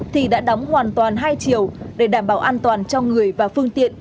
thì đã đóng hoàn toàn hai chiều để đảm bảo an toàn cho người và phương tiện